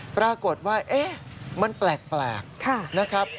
ปรากฏว่ามันแปลกนะครับ